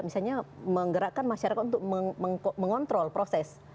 misalnya menggerakkan masyarakat untuk mengontrol proses